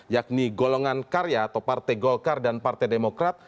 yakni golongan karya atau partai golkar dan partai demokrat